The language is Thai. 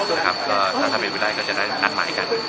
ถ้าเป็นเวลาก็จะได้อันหมายกัน